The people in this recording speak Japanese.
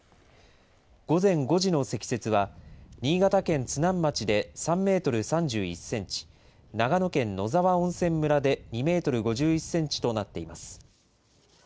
午前５時の積雪は、新潟県津南町で３メートル３１センチ、長野県野沢温泉村で２メートル５１センチとなっています。